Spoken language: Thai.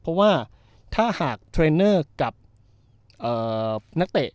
เพราะว่าถ้าหากเทรนเนอร์กับนักเตะ